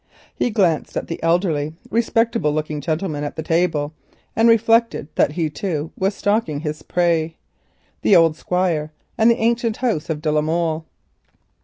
He glanced at the elderly respectable looking gentleman by the table, and reflected that he too was stalking his prey—the old Squire and the ancient house of de la Molle.